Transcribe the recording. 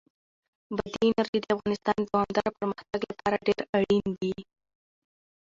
بادي انرژي د افغانستان د دوامداره پرمختګ لپاره ډېر اړین دي.